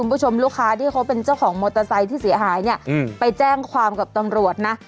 คุณผู้ชมลูกค้าที่เขาเป็นเจ้าของมอเตอร์ไซค์ที่เสียหายเนี่ยไปแจ้งความกับตำรวจนะ